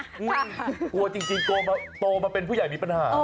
กลัวจริงโตมาเป็นพว่ายมีปัญหา